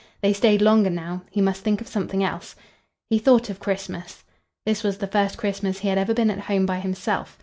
They stayed longer now. He must think of something else. He thought of Christmas. This was the first Christmas he had ever been at home by himself.